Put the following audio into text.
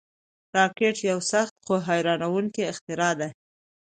راکټ یو سخت، خو حیرانوونکی اختراع ده